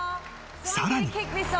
［さらに］